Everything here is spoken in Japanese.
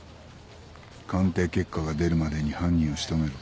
鑑定結果が出るまでに犯人を仕留めろ。